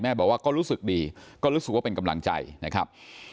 บอกว่าก็รู้สึกดีก็รู้สึกว่าเป็นกำลังใจนะครับ